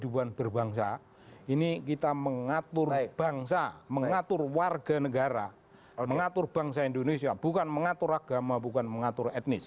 mengatur warga negara mengatur bangsa indonesia bukan mengatur agama bukan mengatur etnis